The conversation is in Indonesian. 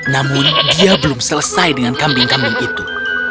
namun dia belum selesai dengan kambing kambing itu